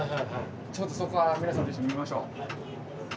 ちょっとそこは皆さんも一緒に見ましょう。